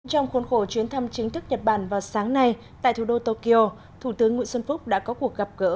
trong khuôn khổ chuyến thăm chính thức nhật bản vào sáng nay tại thủ đô tokyo thủ tướng nguyễn xuân phúc đã có cuộc gặp gỡ